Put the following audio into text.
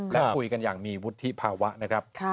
และคุยกันอย่างมีวุฒิภาวะนะครับ